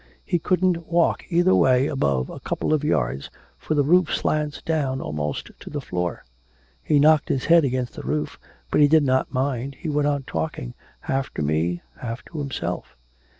He couldn't walk either way above a couple of yards, for the roof slants down almost to the floor; he knocked his head against the roof, but he did not mind, he went on talking, half to me, half to himself.'